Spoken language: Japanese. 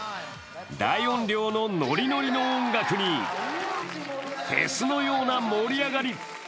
大音量のノリノリの音楽にフェスのような盛り上がり。